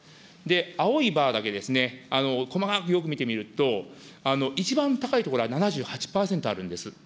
青いバーだけですね、細かくよく見てみると、一番高い所は７８％あるんです。